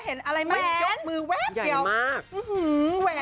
เห็นอะไรไม๊เกี่ยวกมือเว๊บเกี่ยว